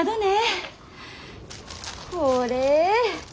これ。